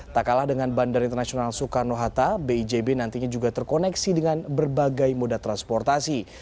tak kalah dengan bandara internasional soekarno hatta bijb nantinya juga terkoneksi dengan berbagai moda transportasi